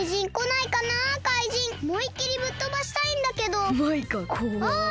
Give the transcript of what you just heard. おもいっきりぶっとばしたいんだけど！